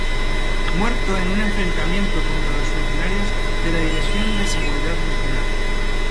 Muerto en un enfrentamiento contra los funcionarios de la Dirección de Seguridad Nacional.